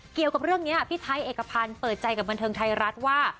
เกี่ยวกับเรื่องนี้พี่ไทยเอกพันธ์เปิดใจกับบันเทิงไทยรัฐว่า